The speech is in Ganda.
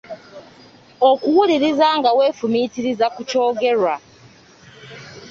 Okuwuliriza nga weefumiitiriza ku kyogerwa.